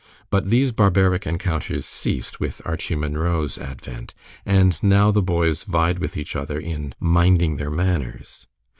But these barbaric encounters ceased with Archie Munro's advent, and now the boys vied with each other in "minding their manners."